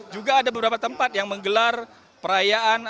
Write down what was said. juga ada beberapa tempat yang menggelar perayaan